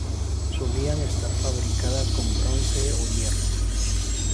Solían estar fabricadas con bronce o hierro.